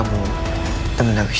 aku sangat mencikamu roy